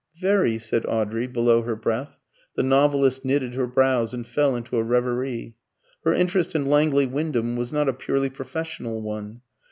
"Very," said Audrey below her breath. The novelist knitted her brows and fell into a reverie. Her interest in Langley Wyndham was not a purely professional one.